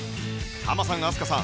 ハマさん飛鳥さん